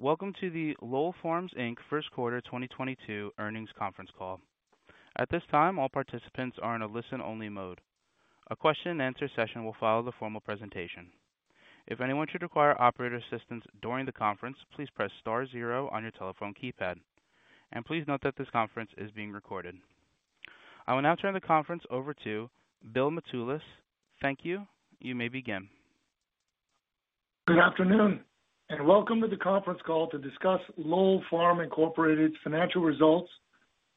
Greetings. Welcome to the Lowell Farms Inc. First Quarter 2022 Earnings Conference Call. At this time, all participants are in a listen-only mode. A question and answer session will follow the formal presentation. If anyone should require operator assistance during the conference, please press star zero on your telephone keypad. Please note that this conference is being recorded. I will now turn the conference over to Bill Mitoulas. Thank you. You may begin. Good afternoon, and welcome to the conference call to discuss Lowell Farms Incorporated financial results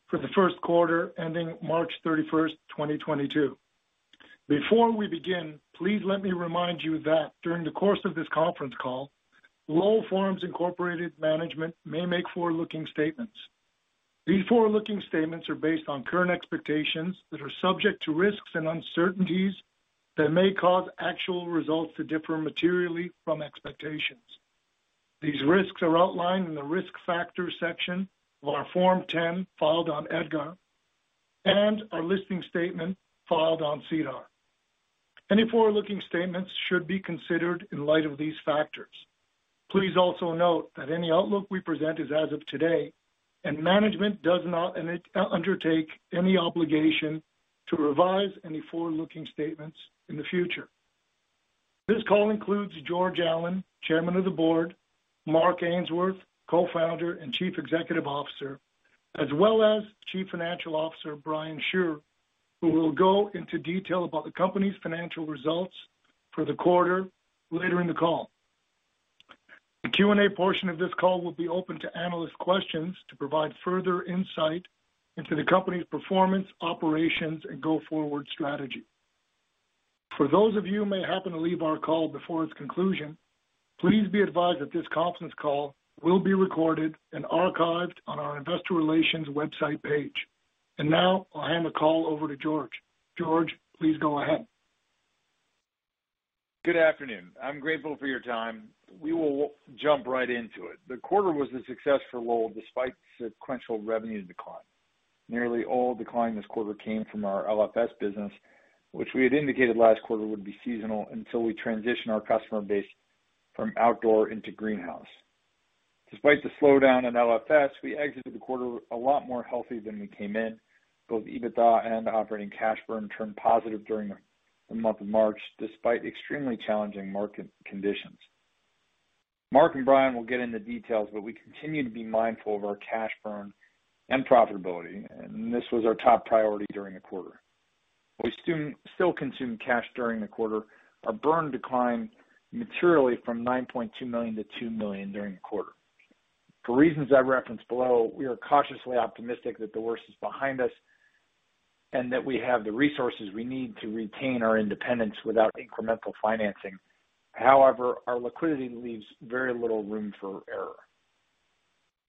for the first quarter ending March 31, 2022. Before we begin, please let me remind you that during the course of this conference call, Lowell Farms Incorporated management may make forward-looking statements. These forward-looking statements are based on current expectations that are subject to risks and uncertainties that may cause actual results to differ materially from expectations. These risks are outlined in the Risk Factors section of our Form 10, filed on EDGAR, and our listing statement filed on SEDAR. Any forward-looking statements should be considered in light of these factors. Please also note that any outlook we present is as of today, and management does not undertake any obligation to revise any forward-looking statements in the future. This call includes George Allen, Chairman of the Board, Mark Ainsworth, Co-Founder and Chief Executive Officer, as well as Chief Financial Officer, Brian Shure, who will go into detail about the company's financial results for the quarter later in the call. The Q&A portion of this call will be open to analyst questions to provide further insight into the company's performance, operations, and go-forward strategy. For those of you who may happen to leave our call before its conclusion, please be advised that this conference call will be recorded and archived on our investor relations website page. Now I'll hand the call over to George. George, please go ahead. Good afternoon. I'm grateful for your time. We will jump right into it. The quarter was a success for Lowell, despite sequential revenue decline. Nearly all decline this quarter came from our LFS business, which we had indicated last quarter would be seasonal until we transition our customer base from outdoor into greenhouse. Despite the slowdown in LFS, we exited the quarter a lot more healthy than we came in. Both EBITDA and operating cash burn turned positive during the month of March, despite extremely challenging market conditions. Mark and Brian will get into details, but we continue to be mindful of our cash burn and profitability, and this was our top priority during the quarter. We still consumed cash during the quarter. Our burn declined materially from $9.2 million-$2 million during the quarter. For reasons I reference below, we are cautiously optimistic that the worst is behind us and that we have the resources we need to retain our independence without incremental financing. However, our liquidity leaves very little room for error.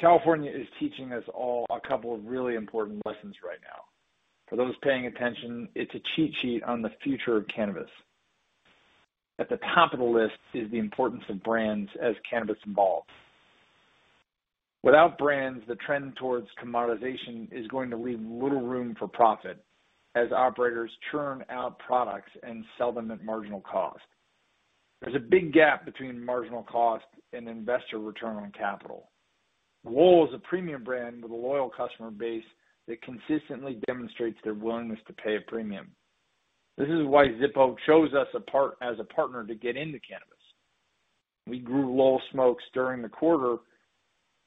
California is teaching us all a couple of really important lessons right now. For those paying attention, it's a cheat sheet on the future of cannabis. At the top of the list is the importance of brands as cannabis evolves. Without brands, the trend towards commoditization is going to leave little room for profit as operators churn out products and sell them at marginal cost. There's a big gap between marginal cost and investor return on capital. Lowell is a premium brand with a loyal customer base that consistently demonstrates their willingness to pay a premium. This is why Zippo chose us as a partner to get into cannabis. We grew Lowell Smokes during the quarter,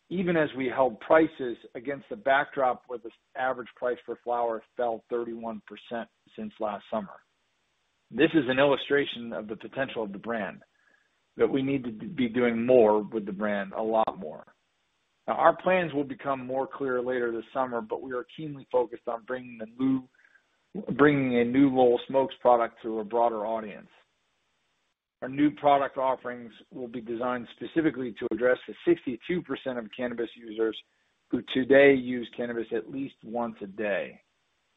even as we held prices against a backdrop where the average price for flower fell 31% since last summer. This is an illustration of the potential of the brand, that we need to be doing more with the brand, a lot more. Now, our plans will become more clear later this summer, but we are keenly focused on bringing a new Lowell Smokes product to a broader audience. Our new product offerings will be designed specifically to address the 62% of cannabis users who today use cannabis at least once a day.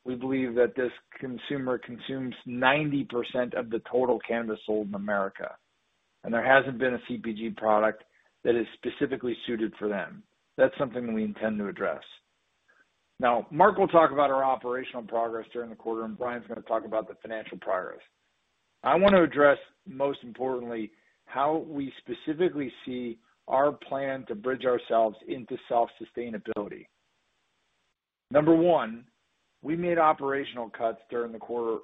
We believe that this consumer consumes 90% of the total cannabis sold in America, and there hasn't been a CPG product that is specifically suited for them. That's something we intend to address. Now, Mark will talk about our operational progress during the quarter, and Brian's gonna talk about the financial progress. I want to address, most importantly, how we specifically see our plan to bridge ourselves into self-sustainability. Number one, we made operational cuts during the quarter,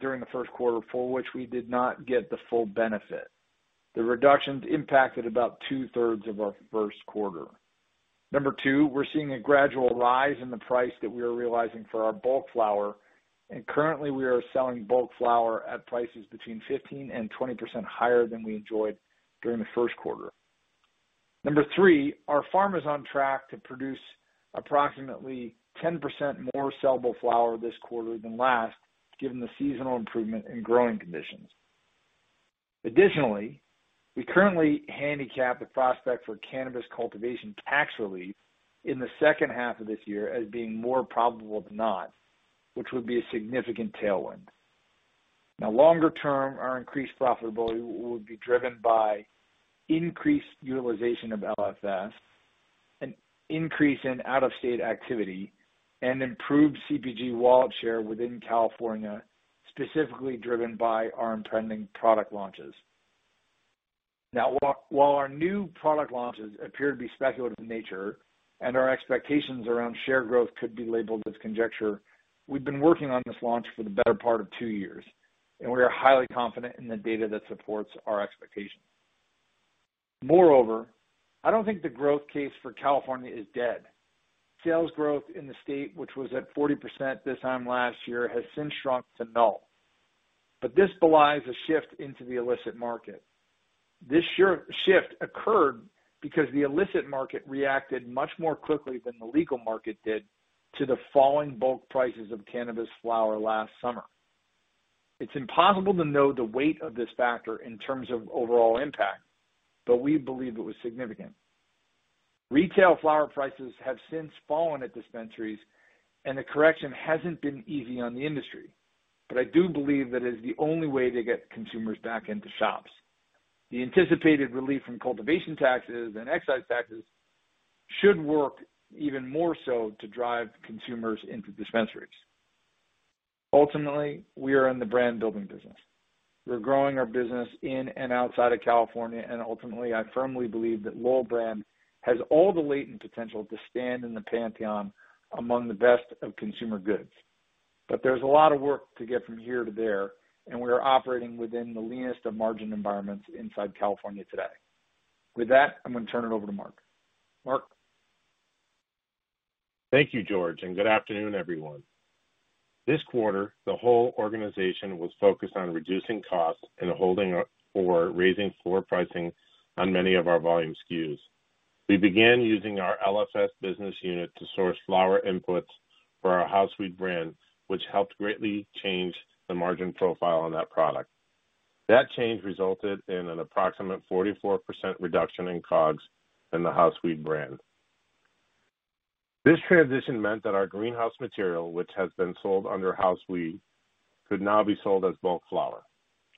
during the first quarter for which we did not get the full benefit. The reductions impacted about two-thirds of our first quarter. Number two, we're seeing a gradual rise in the price that we are realizing for our bulk flower, and currently, we are selling bulk flower at prices between 15%-20% higher than we enjoyed during the first quarter. Number three, our farm is on track to produce approximately 10% more sellable flower this quarter than last, given the seasonal improvement in growing conditions. Additionally, we currently handicap the prospect for cannabis cultivation tax relief in the second half of this year as being more probable than not, which would be a significant tailwind. Now, longer term, our increased profitability will be driven by increased utilization of LFS. An increase in out-of-state activity and improved CPG wallet share within California, specifically driven by our impending product launches. Now, while our new product launches appear to be speculative in nature and our expectations around share growth could be labeled as conjecture, we've been working on this launch for the better part of two years, and we are highly confident in the data that supports our expectations. Moreover, I don't think the growth case for California is dead. Sales growth in the state, which was at 40% this time last year, has since shrunk to null. This belies a shift into the illicit market. This sure shift occurred because the illicit market reacted much more quickly than the legal market did to the falling bulk prices of cannabis flower last summer. It's impossible to know the weight of this factor in terms of overall impact, but we believe it was significant. Retail flower prices have since fallen at dispensaries, and the correction hasn't been easy on the industry. I do believe that is the only way to get consumers back into shops. The anticipated relief from cultivation taxes and excise taxes should work even more so to drive consumers into dispensaries. Ultimately, we are in the brand-building business. We're growing our business in and outside of California, and ultimately, I firmly believe that Lowell Brand has all the latent potential to stand in the pantheon among the best of consumer goods. There's a lot of work to get from here to there, and we are operating within the leanest of margin environments inside California today. With that, I'm gonna turn it over to Mark. Mark? Thank you, George, and good afternoon, everyone. This quarter, the whole organization was focused on reducing costs and holding up or raising floor pricing on many of our volume SKUs. We began using our LFS business unit to source flower inputs for our House Weed brand, which helped greatly change the margin profile on that product. That change resulted in an approximate 44% reduction in COGS in the House Weed brand. This transition meant that our greenhouse material, which has been sold under House Weed, could now be sold as bulk flower.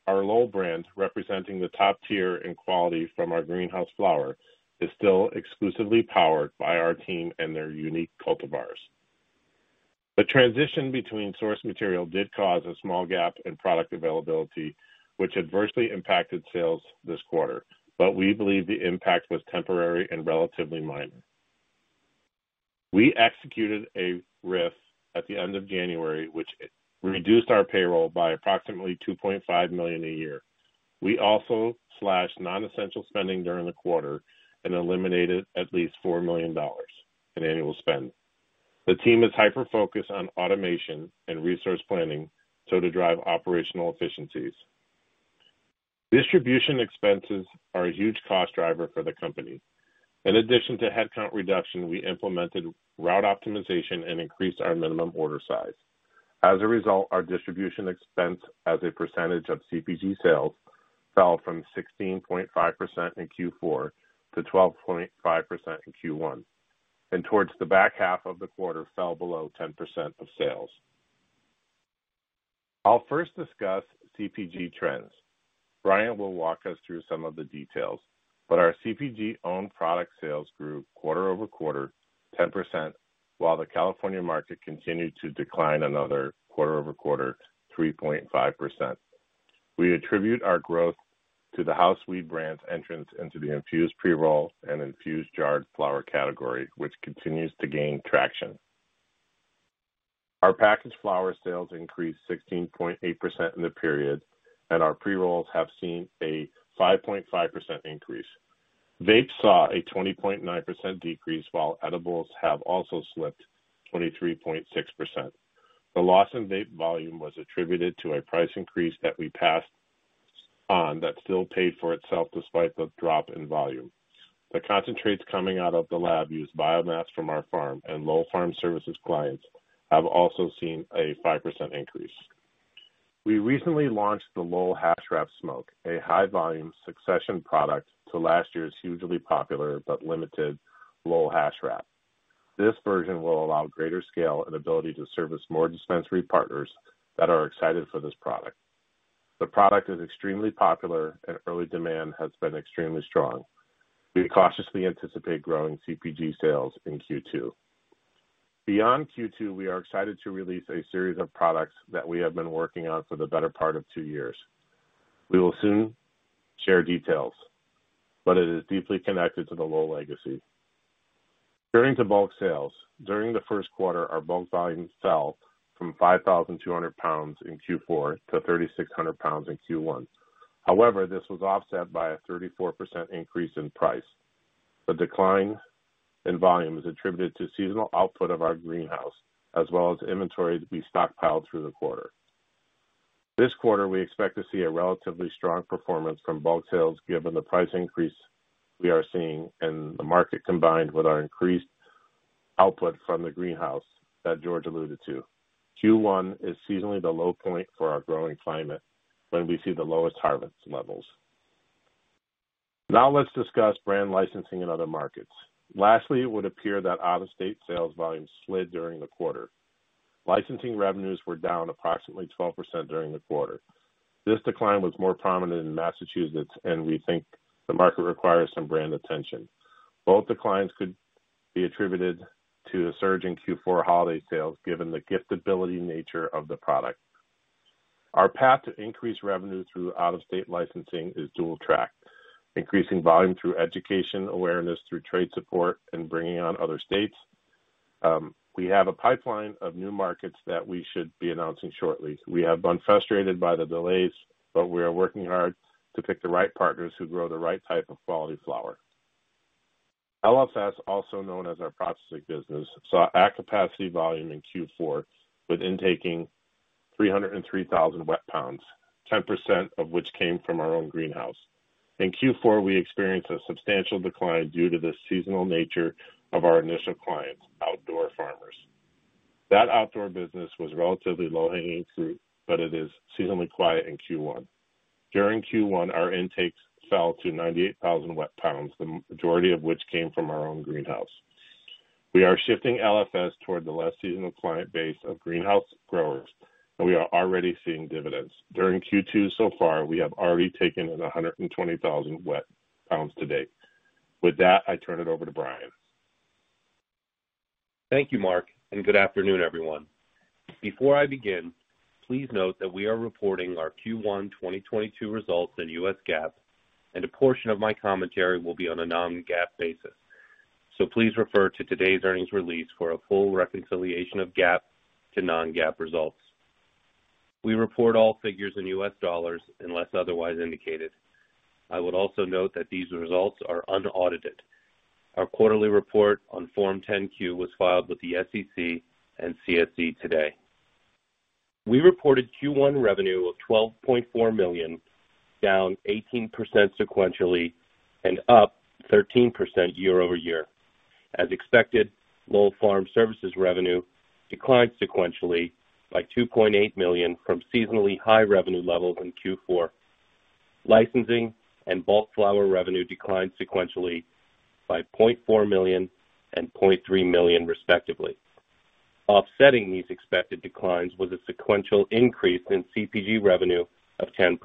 Our Lowell brand, representing the top tier in quality from our greenhouse flower, is still exclusively powered by our team and their unique cultivars. The transition between source material did cause a small gap in product availability, which adversely impacted sales this quarter, but we believe the impact was temporary and relatively minor. We executed a RIF at the end of January, which reduced our payroll by approximately $2.5 million a year. We also slashed non-essential spending during the quarter and eliminated at least $4 million in annual spend. The team is hyper-focused on automation and resource planning so to drive operational efficiencies. Distribution expenses are a huge cost driver for the company. In addition to headcount reduction, we implemented route optimization and increased our minimum order size. As a result, our distribution expense as a percentage of CPG sales fell from 16.5% in Q4 to 12.5% in Q1, and towards the back half of the quarter fell below 10% of sales. I'll first discuss CPG trends. Brian will walk us through some of the details, but our CPG owned product sales grew quarter-over-quarter 10%, while the California market continued to decline another quarter-over-quarter 3.5%. We attribute our growth to the House Weed brand's entrance into the infused pre-roll and infused jarred flower category, which continues to gain traction. Our packaged flower sales increased 16.8% in the period, and our pre-rolls have seen a 5.5% increase. Vapes saw a 20.9% decrease, while edibles have also slipped 23.6%. The loss in vape volume was attributed to a price increase that we passed on that still paid for itself despite the drop in volume. The concentrates coming out of the lab use biomass from our farm and Lowell Farm Services clients have also seen a 5% increase. We recently launched the Lowell Hash-Wrapped Smoke, a high-volume succession product to last year's hugely popular but limited Lowell Hash-Wrapped Smoke. This version will allow greater scale and ability to service more dispensary partners that are excited for this product. The product is extremely popular and early demand has been extremely strong. We cautiously anticipate growing CPG sales in Q2. Beyond Q2, we are excited to release a series of products that we have been working on for the better part of two years. We will soon share details, but it is deeply connected to the Lowell legacy. Turning to bulk sales. During the first quarter, our bulk volumes fell from 5,200 pounds in Q4 to 3,600 pounds in Q1. However, this was offset by a 34% increase in price. The decline in volume is attributed to seasonal output of our greenhouse, as well as inventory we stockpiled through the quarter. This quarter, we expect to see a relatively strong performance from bulk sales given the price increase we are seeing in the market combined with our increased output from the greenhouse that George alluded to. Q1 is seasonally the low point for our growing climate when we see the lowest harvest levels. Now let's discuss brand licensing in other markets. Lastly, it would appear that out-of-state sales volumes slid during the quarter. Licensing revenues were down approximately 12% during the quarter. This decline was more prominent in Massachusetts, and we think the market requires some brand attention. Both declines could be attributed to a surge in Q4 holiday sales, given the giftability nature of the product. Our path to increase revenue through out-of-state licensing is dual-track, increasing volume through education awareness, through trade support and bringing on other states. We have a pipeline of new markets that we should be announcing shortly. We have been frustrated by the delays, but we are working hard to pick the right partners who grow the right type of quality flower. LFS, also known as our processing business, saw at-capacity volume in Q4 with intaking 303,000 wet pounds, 10% of which came from our own greenhouse. In Q4, we experienced a substantial decline due to the seasonal nature of our initial clients, outdoor farmers. That outdoor business was relatively low-hanging fruit, but it is seasonally quiet in Q1. During Q1, our intakes fell to 98,000 wet pounds, the majority of which came from our own greenhouse. We are shifting LFS toward the less seasonal client base of greenhouse growers, and we are already seeing dividends. During Q2 so far, we have already taken in 120,000 wet pounds to date. With that, I turn it over to Brian. Thank you, Mark, and good afternoon, everyone. Before I begin, please note that we are reporting our Q1 2022 results in US GAAP, and a portion of my commentary will be on a non-GAAP basis. Please refer to today's earnings release for a full reconciliation of GAAP to non-GAAP results. We report all figures in US dollars unless otherwise indicated. I would also note that these results are unaudited. Our quarterly report on Form 10-Q was filed with the SEC and CSE today. We reported Q1 revenue of $12.4 million, down 18% sequentially and up 13% year-over-year. As expected, Lowell Farm Services revenue declined sequentially by $2.8 million from seasonally high revenue levels in Q4. Licensing and bulk flower revenue declined sequentially by $0.4 million and $0.3 million, respectively. Offsetting these expected declines was a sequential increase in CPG revenue of 10%,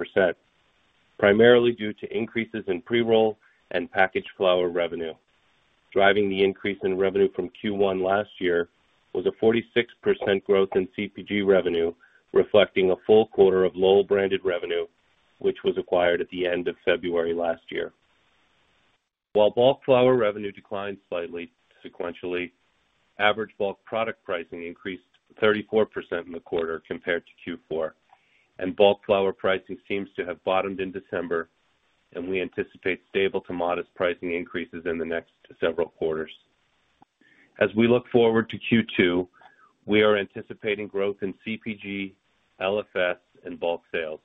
primarily due to increases in pre-roll and packaged flower revenue. Driving the increase in revenue from Q1 last year was a 46% growth in CPG revenue, reflecting a full quarter of Lowell-branded revenue, which was acquired at the end of February last year. While bulk flower revenue declined slightly sequentially, average bulk product pricing increased 34% in the quarter compared to Q4, and bulk flower pricing seems to have bottomed in December, and we anticipate stable to modest pricing increases in the next several quarters. As we look forward to Q2, we are anticipating growth in CPG, LFS, and bulk sales.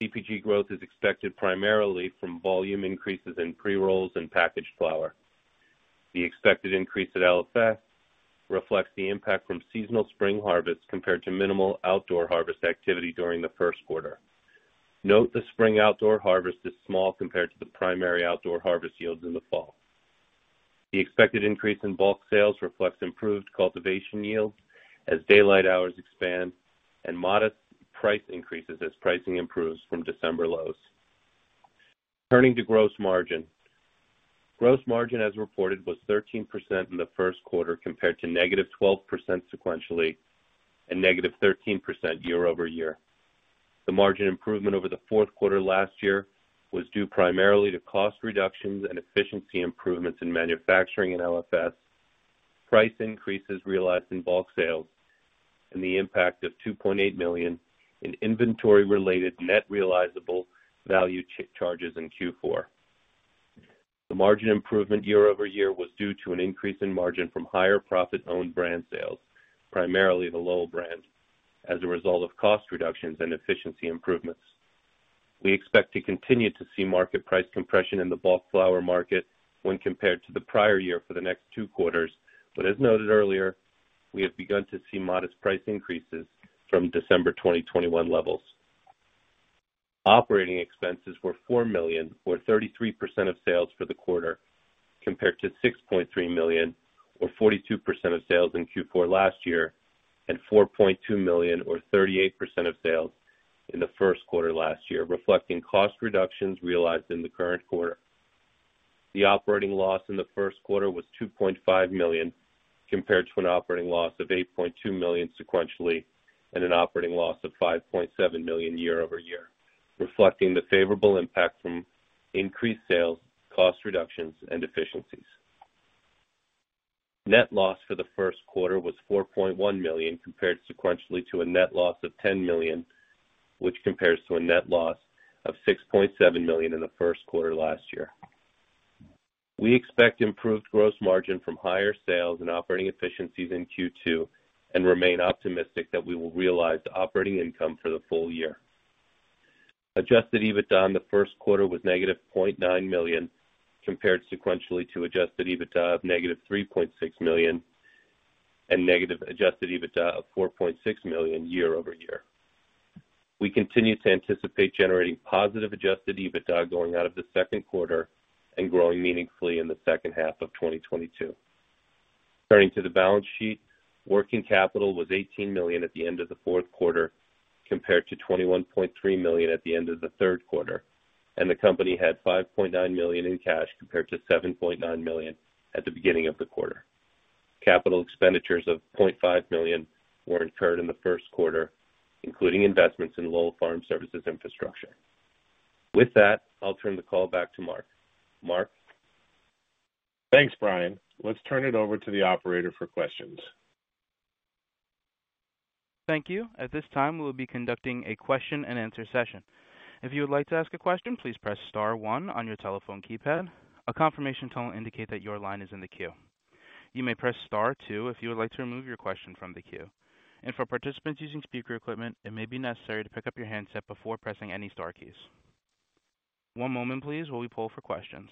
CPG growth is expected primarily from volume increases in pre-rolls and packaged flower. The expected increase at LFS reflects the impact from seasonal spring harvest compared to minimal outdoor harvest activity during the first quarter. Note the spring outdoor harvest is small compared to the primary outdoor harvest yields in the fall. The expected increase in bulk sales reflects improved cultivation yields as daylight hours expand and modest price increases as pricing improves from December lows. Turning to gross margin. Gross margin as reported was 13% in the first quarter, compared to -12% sequentially and -13% year-over-year. The margin improvement over the fourth quarter last year was due primarily to cost reductions and efficiency improvements in manufacturing and LFS, price increases realized in bulk sales, and the impact of $2.8 million in inventory-related net realizable value charges in Q4. The margin improvement year-over-year was due to an increase in margin from higher profit owned brand sales, primarily the Lowell brand, as a result of cost reductions and efficiency improvements. We expect to continue to see market price compression in the bulk flower market when compared to the prior year for the next two quarters. As noted earlier, we have begun to see modest price increases from December 2021 levels. Operating expenses were $4 million or 33% of sales for the quarter, compared to $6.3 million or 42% of sales in Q4 last year, and $4.2 million or 38% of sales in the first quarter last year, reflecting cost reductions realized in the current quarter. The operating loss in the first quarter was $2.5 million, compared to an operating loss of $8.2 million sequentially and an operating loss of $5.7 million year-over-year, reflecting the favorable impact from increased sales, cost reductions, and efficiencies. Net loss for the first quarter was $4.1 million, compared sequentially to a net loss of $10 million, which compares to a net loss of $6.7 million in the first quarter last year. We expect improved gross margin from higher sales and operating efficiencies in Q2 and remain optimistic that we will realize operating income for the full year. Adjusted EBITDA in the first quarter was -$0.9 million, compared sequentially to adjusted EBITDA of -$3.6 million and negative adjusted EBITDA of -$4.6 million year-over-year. We continue to anticipate generating positive adjusted EBITDA going out of the second quarter and growing meaningfully in the second half of 2022. Turning to the balance sheet, working capital was $18 million at the end of the fourth quarter, compared to $21.3 million at the end of the third quarter, and the company had $5.9 million in cash compared to $7.9 million at the beginning of the quarter. CapEx of $0.5 million were incurred in the first quarter, including investments in Lowell Farm Services infrastructure. With that, I'll turn the call back to Mark. Mark? Thanks, Brian. Let's turn it over to the operator for questions. Thank you. At this time, we'll be conducting a question-and-answer session. If you would like to ask a question, please press star one on your telephone keypad. A confirmation tone will indicate that your line is in the queue. You may press star two if you would like to remove your question from the queue. For participants using speaker equipment, it may be necessary to pick up your handset before pressing any star keys. One moment please, while we poll for questions.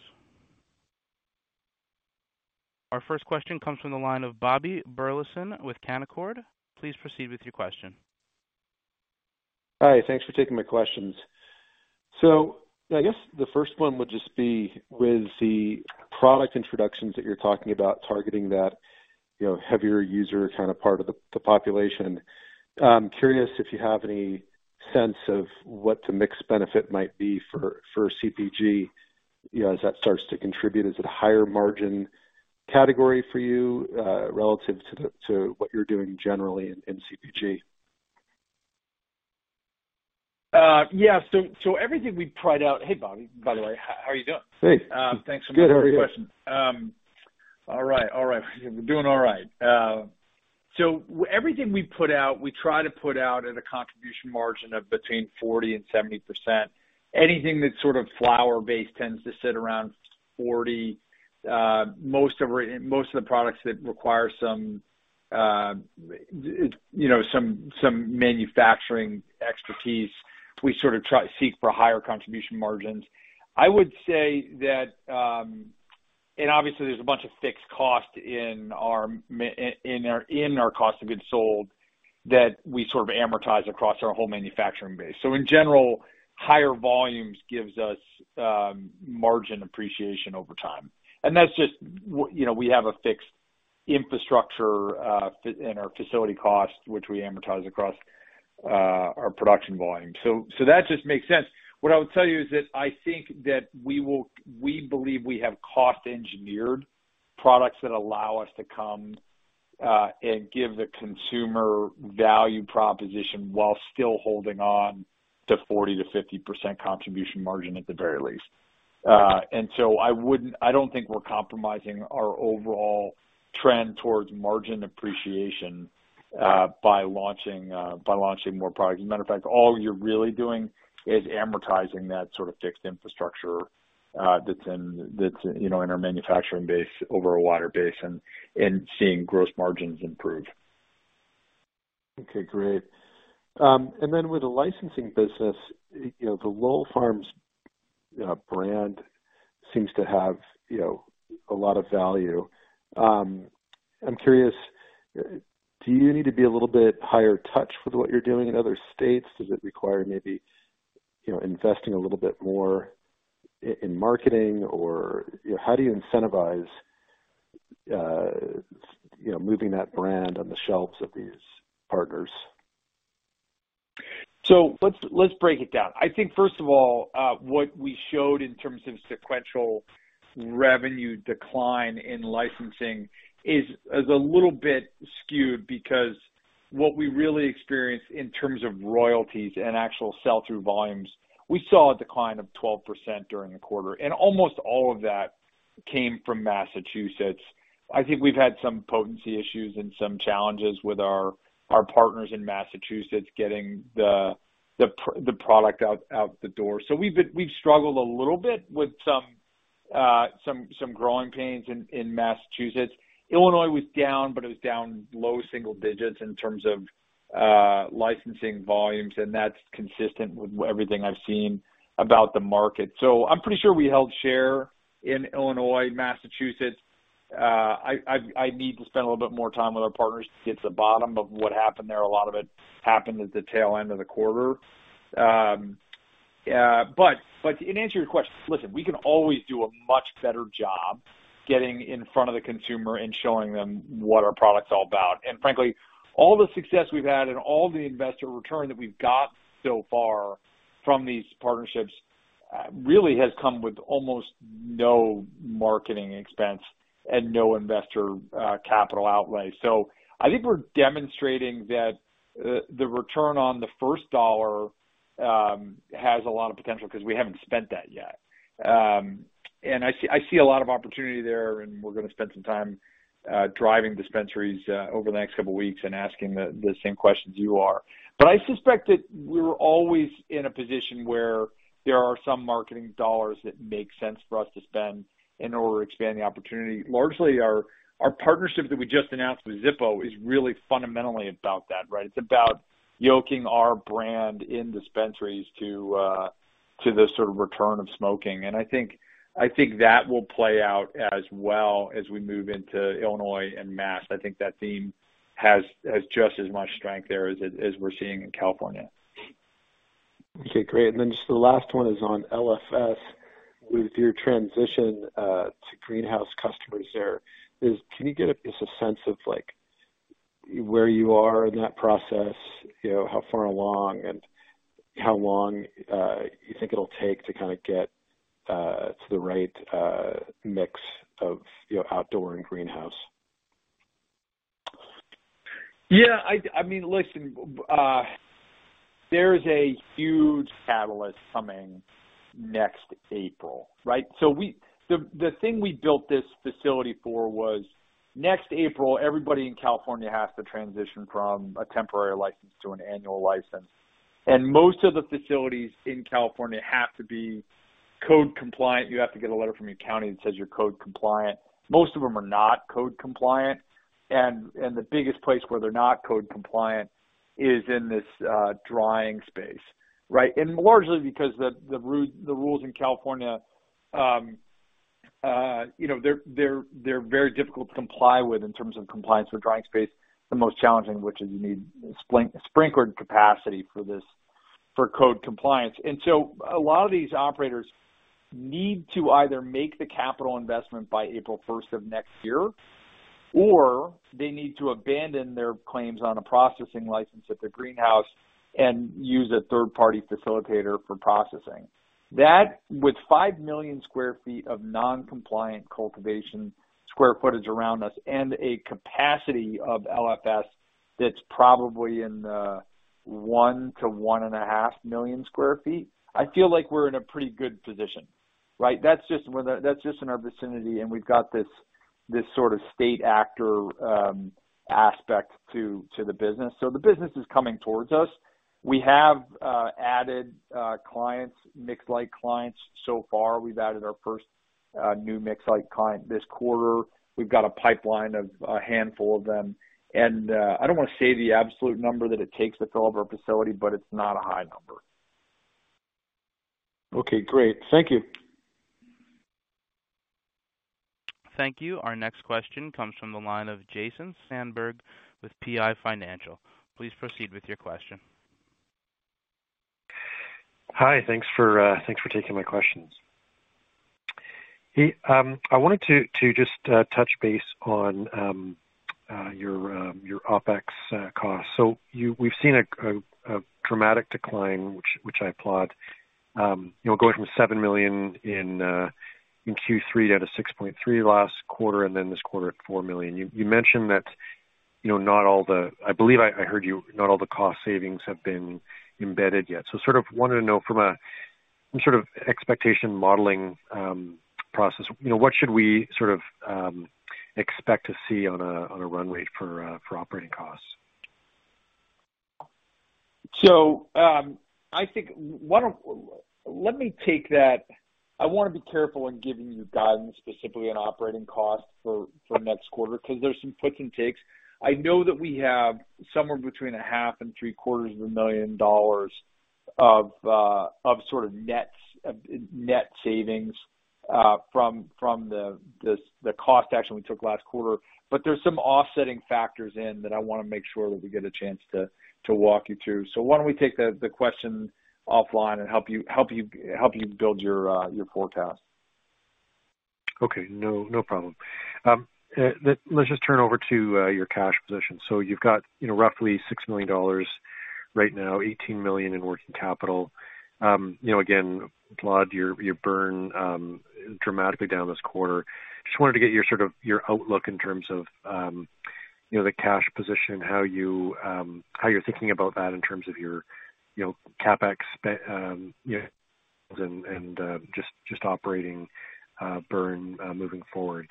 Our first question comes from the line of Bobby Burleson with Canaccord. Please proceed with your question. Hi, thanks for taking my questions. I guess the first one would just be with the product introductions that you're talking about targeting that, you know, heavier user kind of part of the population. Curious if you have any sense of what the mix benefit might be for CPG, you know, as that starts to contribute. Is it a higher margin category for you relative to what you're doing generally in CPG? Yeah. Everything we tried out. Hey, Bobby, by the way. How are you doing? Great. Thanks so much for the question. Good. How are you? All right. We're doing all right. Everything we put out, we try to put out at a contribution margin of between 40% and 70%. Anything that's sort of flower-based tends to sit around 40%. Most of the products that require some, you know, some manufacturing expertise, we sort of try to seek for higher contribution margins. I would say that. Obviously there's a bunch of fixed costs in our cost of goods sold that we sort of amortize across our whole manufacturing base. In general, higher volumes gives us margin appreciation over time. That's just, you know, we have a fixed infrastructure in our facility costs, which we amortize across our production volume. That just makes sense. What I would tell you is that I think that we believe we have cost-engineered products that allow us to come, and give the consumer value proposition while still holding on to 40%-50% contribution margin at the very least. I don't think we're compromising our overall trend towards margin appreciation, by launching more products. As a matter of fact, all you're really doing is amortizing that sort of fixed infrastructure, that's in, you know, in our manufacturing base over a wider base and, seeing gross margins improve. Okay, great. With the licensing business, you know, the Lowell Farms, you know, brand seems to have, you know, a lot of value. I'm curious, do you need to be a little bit higher touch with what you're doing in other states? Does it require maybe, you know, investing a little bit more in marketing? How do you incentivize, you know, moving that brand on the shelves of these partners? Let's break it down. I think, first of all, what we showed in terms of sequential revenue decline in licensing is a little bit skewed because what we really experienced in terms of royalties and actual sell-through volumes, we saw a decline of 12% during the quarter, and almost all of that came from Massachusetts. I think we've had some potency issues and some challenges with our partners in Massachusetts getting the product out the door. We've struggled a little bit with some growing pains in Massachusetts. Illinois was down, but it was down low single digits in terms of licensing volumes, and that's consistent with everything I've seen about the market. I'm pretty sure we held share in Illinois and Massachusetts. I need to spend a little bit more time with our partners to get to the bottom of what happened there. A lot of it happened at the tail end of the quarter. To answer your question, listen, we can always do a much better job getting in front of the consumer and showing them what our product's all about. Frankly, all the success we've had and all the investor return that we've got so far from these partnerships really has come with almost no marketing expense and no investor capital outlay. I think we're demonstrating that the return on the first dollar has a lot of potential because we haven't spent that yet. I see a lot of opportunity there, and we're gonna spend some time driving dispensaries over the next couple of weeks and asking the same questions you are. I suspect that we're always in a position where there are some marketing dollars that make sense for us to spend in order to expand the opportunity. Largely, our partnership that we just announced with Zippo is really fundamentally about that, right? It's about yoking our brand in dispensaries to the sort of return of smoking. I think that will play out as well as we move into Illinois and Mass. I think that theme has just as much strength there as we're seeing in California. Okay, great. Just the last one is on LFS. With your transition to greenhouse customers there, can you give just a sense of like where you are in that process, you know, how far along and how long you think it'll take to kind of get to the right mix of, you know, outdoor and greenhouse? Yeah, I mean, listen, there's a huge catalyst coming next April, right? The thing we built this facility for was next April. Everybody in California has to transition from a temporary license to an annual license. Most of the facilities in California have to be code compliant. You have to get a letter from your county that says you're code compliant. Most of them are not code compliant. The biggest place where they're not code compliant is in this drying space, right? Largely because the rules in California, you know, they're very difficult to comply with in terms of compliance for drying space. The most challenging, which is you need sprinkler capacity for this, for code compliance. A lot of these operators need to either make the capital investment by April first of next year, or they need to abandon their claims on a processing license at their greenhouse and use a third-party facilitator for processing. That, with 5 million sq ft of non-compliant cultivation square footage around us and a capacity of LFS that's probably in the 1-1.5 million sq ft, I feel like we're in a pretty good position, right? That's just in our vicinity, and we've got this sort of state actor aspect to the business. The business is coming towards us. We have added clients, mixed light clients so far. We've added our first new mixed light client this quarter. We've got a pipeline of a handful of them. I don't want to say the absolute number that it takes to fill up our facility, but it's not a high number. Okay, great. Thank you. Thank you. Our next question comes from the line of Jason Zandberg with PI Financial. Please proceed with your question. Hi, thanks for taking my questions. Hey, I wanted to just touch base on your OpEx costs. We've seen a dramatic decline, which I applaud, you know, going from $7 million in Q3 down to $6.3 million last quarter and then this quarter at $4 million. You mentioned that, you know, I believe I heard you, not all the cost savings have been embedded yet. I sort of wanted to know from a sort of expectation modeling process, you know, what should we sort of expect to see on a run rate for operating costs? Let me take that. I wanna be careful in giving you guidance specifically on operating costs for next quarter because there's some gives and takes. I know that we have somewhere between a half and three-quarters of a million dollars of sort of net savings from the cost action we took last quarter. There's some offsetting factors in that I wanna make sure that we get a chance to walk you through. Why don't we take the question offline and help you build your forecast. Okay. No problem. Let's just turn over to your cash position. You've got, you know, roughly $6 million right now, $18 million in working capital. You know, again, applaud your burn dramatically down this quarter. Just wanted to get your sort of your outlook in terms of you know, the cash position, how you're thinking about that in terms of your you know, CapEx and just operating burn moving forward.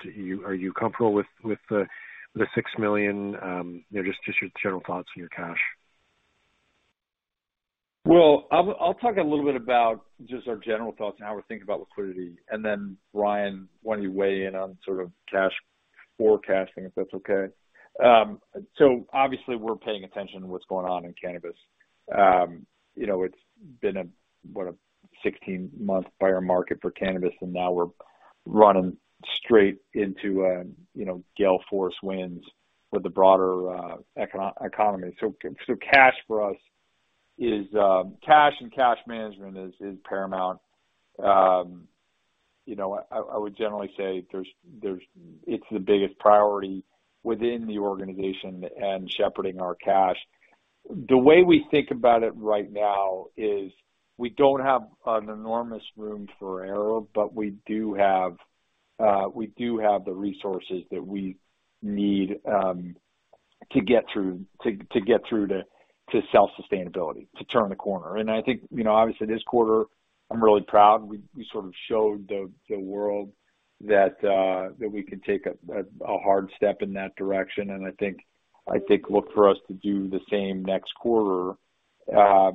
Are you comfortable with the $6 million? You know, just your general thoughts on your cash. Well, I'll talk a little bit about just our general thoughts and how we're thinking about liquidity. Then Brian Shure, why don't you weigh in on sort of cash forecasting, if that's okay. Obviously we're paying attention to what's going on in cannabis. You know, it's been a 16-month buyer's market for cannabis, and now we're running straight into you know, gale force winds with the broader economy. Cash for us is cash and cash management is paramount. You know, I would generally say it's the biggest priority within the organization and shepherding our cash. The way we think about it right now is we don't have an enormous room for error, but we do have the resources that we need to get through to self-sustainability, to turn the corner. I think, you know, obviously this quarter I'm really proud. We sort of showed the world that we can take a hard step in that direction, and I think look for us to do the same next quarter. We are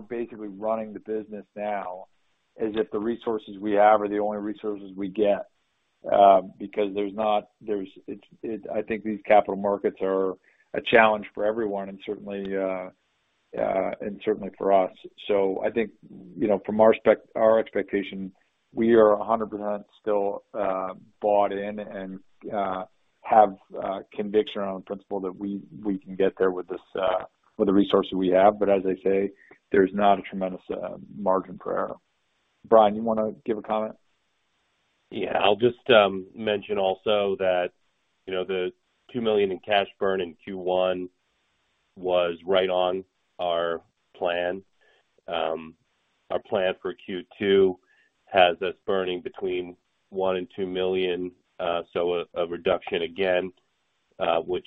basically running the business now as if the resources we have are the only resources we get, because I think these capital markets are a challenge for everyone and certainly for us. I think, you know, from our expectation, we are 100% still bought in and have conviction around the principle that we can get there with this, with the resources we have. As I say, there's not a tremendous margin for error. Brian, you wanna give a comment? Yeah. I'll just mention also that, you know, the $2 million in cash burn in Q1 was right on our plan. Our plan for Q2 has us burning between $1 million and $2 million, so a reduction again, which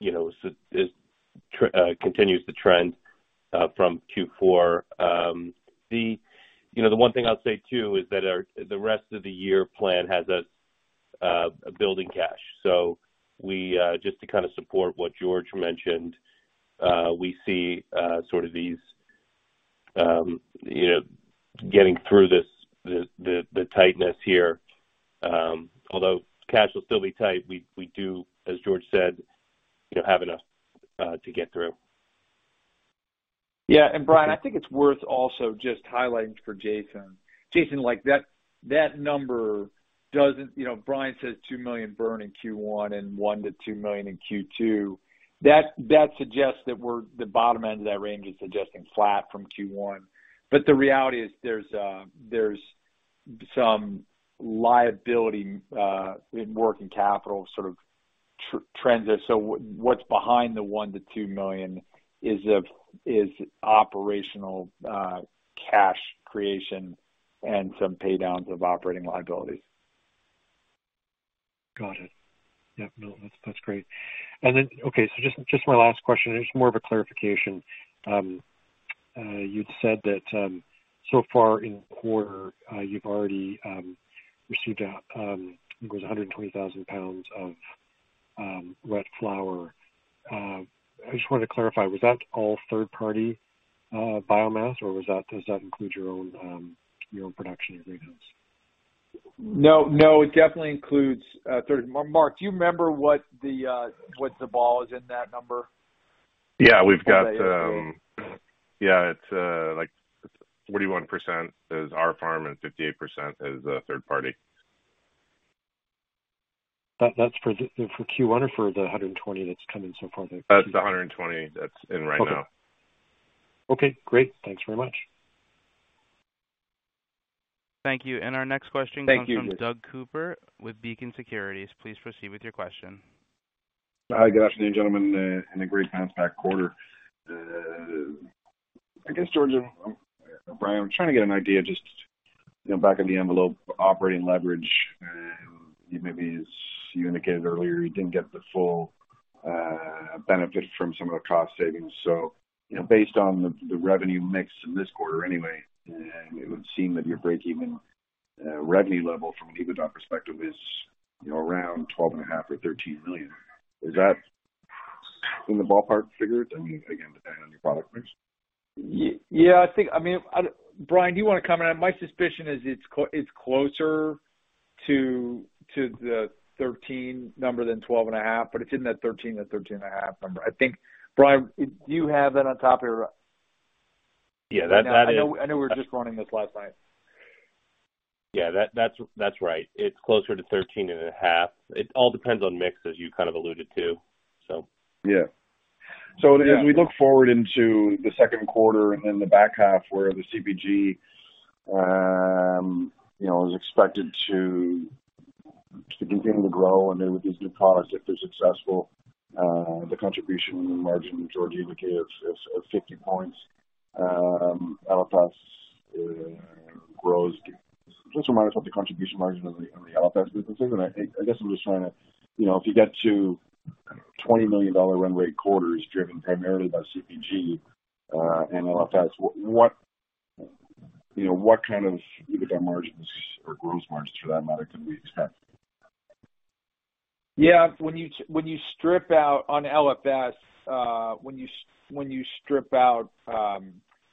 you know so it continues the trend from Q4. The one thing I'll say too is that the rest of the year plan has us building cash. We just to kind of support what George mentioned, we see sort of these you know getting through this the tightness here, although cash will still be tight, we do, as George said, you know, have enough to get through. Yeah. Brian, I think it's worth also just highlighting for Jason. Jason, like, that number doesn't. You know, Brian says $2 million burn in Q1 and $1-$2 million in Q2. That suggests that we're the bottom end of that range is suggesting flat from Q1, but the reality is there's some liability in working capital sort of trends there. What's behind the $1-$2 million is operational cash creation and some pay downs of operating liabilities. Got it. Yeah. No, that's great. Okay, just my last question. It's more of a clarification. You'd said that so far in the quarter you've already received, I think it was 120,000 pounds of wet flower. I just wanted to clarify, was that all third party biomass, or does that include your own production agreements? No, no, it definitely includes. Mark, do you remember what the ballpark is in that number? It's like 41% is our farm and 58% is third party. That's for Q1 or for the 120 that's come in so far for Q2? That's the 120 that's in right now. Okay. Great. Thanks very much. Thank you. Our next question comes. Thank you. From Doug Cooper with Beacon Securities. Please proceed with your question. Hi. Good afternoon, gentlemen, and a great bounce back quarter. I guess, George and Brian, I'm trying to get an idea just, you know, back of the envelope operating leverage. Maybe as you indicated earlier, you didn't get the full benefit from some of the cost savings. You know, based on the revenue mix in this quarter anyway, and it would seem that your break-even revenue level from an EBITDA perspective is, you know, around $12.5 million or $13 million. Is that in the ballpark figure? I mean, again, depending on your product mix. Yeah. I think I mean, Brian, do you wanna comment? My suspicion is it's closer to the 13 number than 12.5, but it's in that 13-13.5 number. I think, Brian, do you have that on top of your Yeah, that is. I know, I know we're just running this last night. Yeah, that's right. It's closer to 13.5. It all depends on mix, as you kind of alluded to, so. Yeah. As we look forward into the second quarter and then the back half where the CPG, you know, is expected to continue to grow and then with these new products, if they're successful, the contribution margin George indicated is 50 points. LFS grows plus or minus what the contribution margin on the LFS business is. I guess I'm just trying to. You know, if you get to $20 million run rate quarters driven primarily by CPG and LFS, what, you know, what kind of EBITDA margins or gross margins for that matter can we expect? Yeah. When you strip out on LFS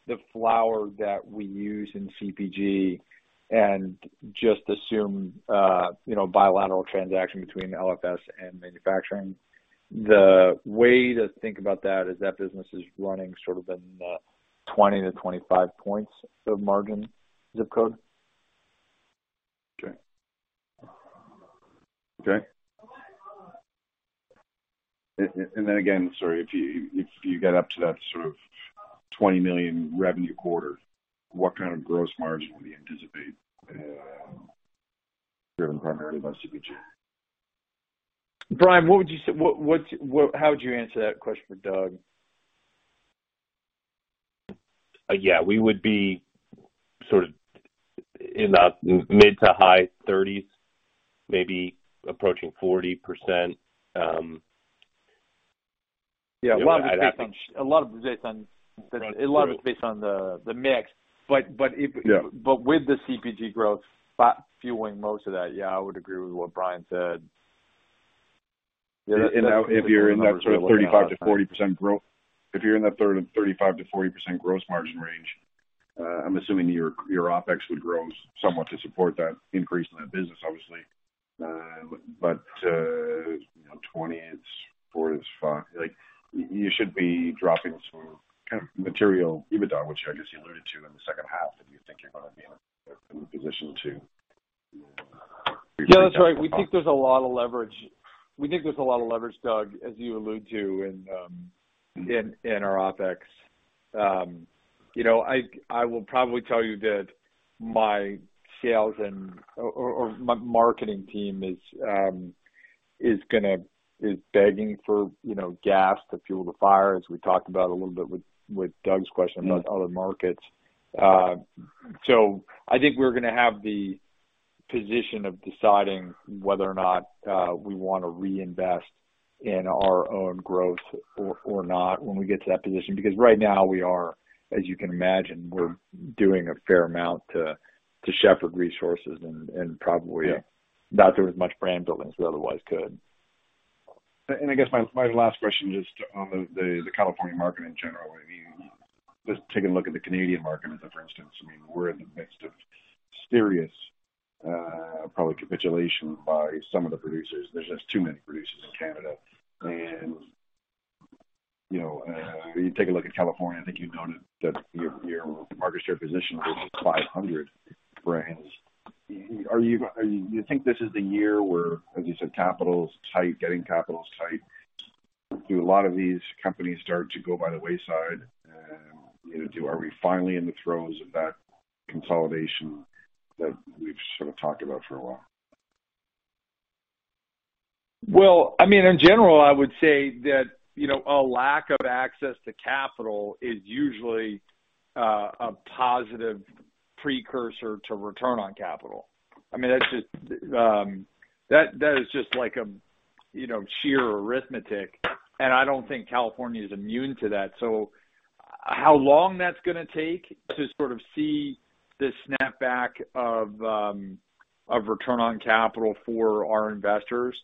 the flower that we use in CPG and just assume, you know, bilateral transaction between LFS and manufacturing, the way to think about that is that business is running sort of in the 20%-25% margin zip code. Okay. Again, sorry, if you get up to that sort of $20 million revenue quarter, what kind of gross margin would we anticipate, driven primarily by CPG? Brian, how would you answer that question for Doug? Yeah. We would be sort of in the mid- to high 30s%, maybe approaching 40%. Yeah. A lot of it's based on. I'd imagine. A lot of it's based on. That's true. A lot of it's based on the mix. Yeah. With the CPG growth fueling most of that, yeah, I would agree with what Brian said. Yeah, now if you're in that sort of 35%-40% growth. If you're in that 35%-40% gross margin range, I'm assuming your OpEx would grow somewhat to support that increase in that business, obviously. You know, twenty, it's four, it's five. Like, you should be dropping some kind of material EBITDA, which I guess you alluded to in the second half, if you think you're gonna be in a position to. Yeah, that's right. We think there's a lot of leverage, Doug, as you allude to in our OpEx. You know, I will probably tell you that my marketing team is begging for, you know, gas to fuel the fire, as we talked about a little bit with Doug's question about other markets. I think we're gonna have the position of deciding whether or not we wanna reinvest in our own growth or not when we get to that position. Because right now we are, as you can imagine, we're doing a fair amount to shepherd resources and probably. Yeah. Not doing as much brand building as we otherwise could. I guess my last question just on the California market in general. I mean, just taking a look at the Canadian market, as for instance, I mean, we're in the midst of serious probably capitulation by some of the producers. There's just too many producers in Canada. You know, you take a look at California, I think you noted that your market share position with 500 brands. Do you think this is the year where, as you said, capital is tight, getting capital is tight. Do a lot of these companies start to go by the wayside? You know, are we finally in the throes of that consolidation that we've sort of talked about for a while? Well, I mean, in general, I would say that, you know, a lack of access to capital is usually, a positive precursor to return on capital. I mean, that's just, that is just like a, you know, sheer arithmetic, and I don't think California is immune to that. How long that's gonna take to sort of see the snapback of return on capital for our investors,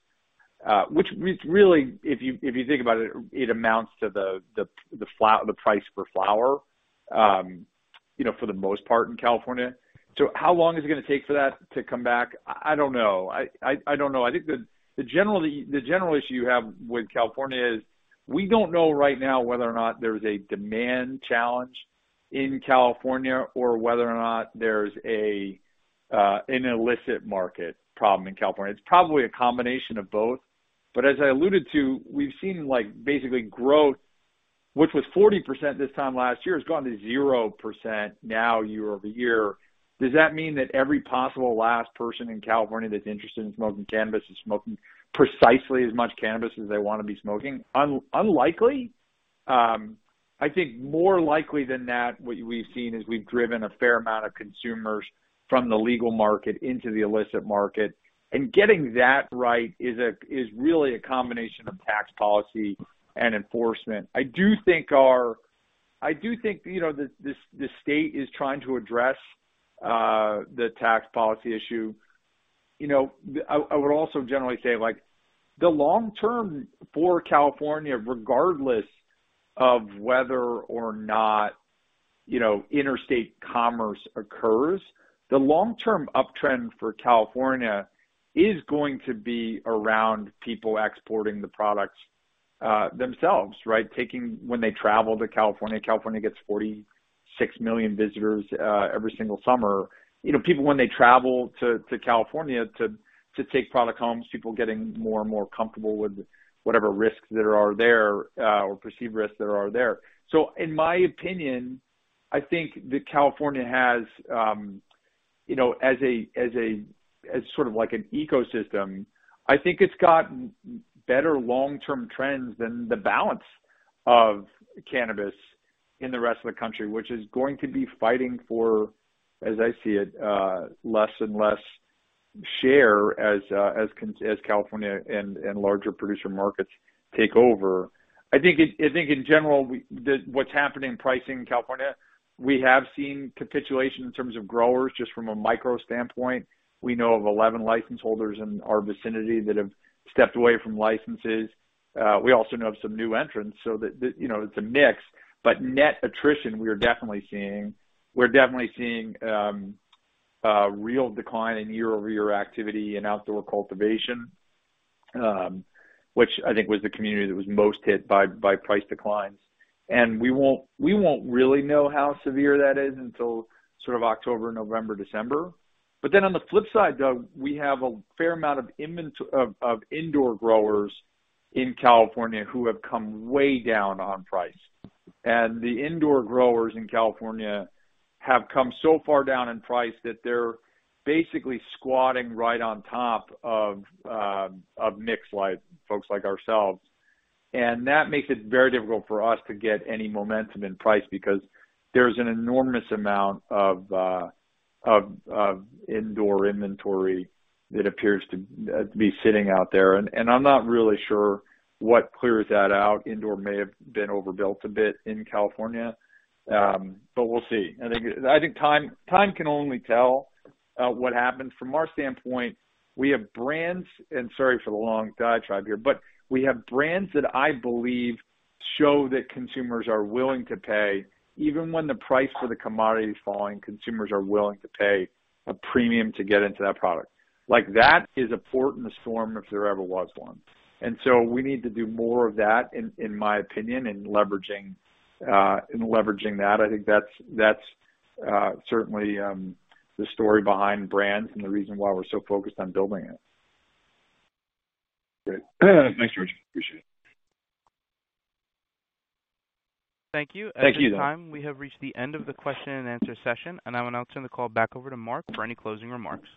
which is really, if you think about it amounts to the price per flower, you know, for the most part in California. How long is it gonna take for that to come back? I don't know. I don't know. I think the general issue you have with California is we don't know right now whether or not there's a demand challenge in California or whether or not there's an illicit market problem in California. It's probably a combination of both. As I alluded to, we've seen like basically growth, which was 40% this time last year, has gone to 0% now year-over-year. Does that mean that every possible last person in California that's interested in smoking cannabis is smoking precisely as much cannabis as they want to be smoking? Unlikely. I think more likely than that, what we've seen is we've driven a fair amount of consumers from the legal market into the illicit market, and getting that right is really a combination of tax policy and enforcement. I do think our. I do think, you know, the state is trying to address the tax policy issue. You know, I would also generally say, like, the long term for California, regardless of whether or not, you know, interstate commerce occurs, the long term uptrend for California is going to be around people exporting the products themselves, right? Taking when they travel to California. California gets 46 million visitors every single summer. You know, people when they travel to California to take product home, people getting more and more comfortable with whatever risks there are there or perceived risks there are there. In my opinion, I think that California has, you know, as a sort of like an ecosystem, I think it's got better long-term trends than the balance of cannabis in the rest of the country, which is going to be fighting for, as I see it, less and less share as California and larger producer markets take over. I think in general, what's happening in pricing in California, we have seen capitulation in terms of growers just from a micro standpoint. We know of 11 license holders in our vicinity that have stepped away from licenses. We also know of some new entrants so that, you know, it's a mix, but net attrition, we are definitely seeing. We're definitely seeing a real decline in year-over-year activity in outdoor cultivation, which I think was the community that was most hit by price declines. We won't really know how severe that is until sort of October, November, December. On the flip side, Doug, we have a fair amount of indoor growers in California who have come way down on price. The indoor growers in California have come so far down in price that they're basically squatting right on top of mix like folks like ourselves. That makes it very difficult for us to get any momentum in price because there's an enormous amount of indoor inventory that appears to be sitting out there. I'm not really sure what clears that out. Indoor may have been overbuilt a bit in California, but we'll see. I think time can only tell what happens. From our standpoint, we have brands, and sorry for the long diatribe here, but we have brands that I believe show that consumers are willing to pay. Even when the price for the commodity is falling, consumers are willing to pay a premium to get into that product. Like that is a port in the storm if there ever was one. We need to do more of that in my opinion, in leveraging that. I think that's certainly the story behind brands and the reason why we're so focused on building it. Great. Thanks, George. Appreciate it. Thank you. Thank you. At this time, we have reached the end of the question and answer session, and I will now turn the call back over to Mark for any closing remarks.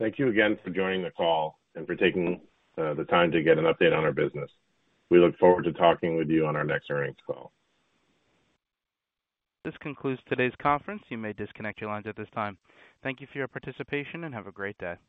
Thank you again for joining the call and for taking the time to get an update on our business. We look forward to talking with you on our next earnings call. This concludes today's conference. You may disconnect your lines at this time. Thank you for your participation, and have a great day.